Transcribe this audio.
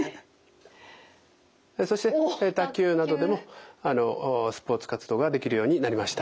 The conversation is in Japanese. そして卓球などでもスポーツ活動ができるようになりました。